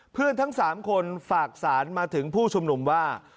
ทั้ง๓คนฝากสารมาถึงผู้ชุมนุมว่า